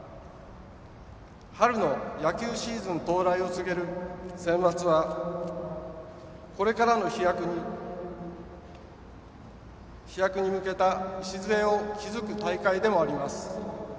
春の野球シーズン到来を告げるセンバツはこれからの飛躍に向けた礎を築く大会でもあります。